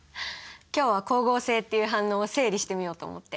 今日は光合成っていう反応を整理してみようと思って。